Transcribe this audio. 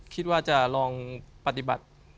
คิดว่าจะลองปฏิบัติ